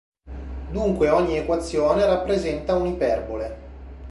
Dunque ogni equazione rappresenta un'iperbole.